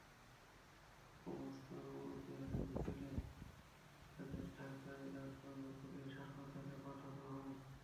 অবস্থার অবনতি হলে বিকেলে তাঁকে ঢাকার রাজারবাগ পুলিশ হাসপাতালে পাঠানো হয়।